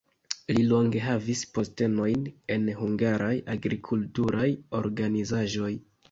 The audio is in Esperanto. Li longe havis postenojn en hungaraj agrikulturaj organizaĵoj.